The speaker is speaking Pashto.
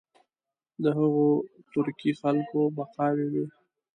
د هغو ترکي خلکو بقایا وي.